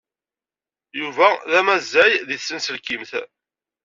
Yuba d amazzay deg tsenselkimt.